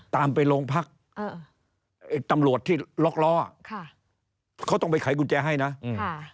ตามไปโรงพักเออไอ้ตำรวจที่ล็อกล้ออ่ะค่ะเขาต้องไปไขกุญแจให้นะอืมค่ะ